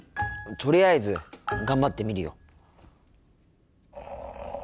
とりあえず頑張ってみるよ。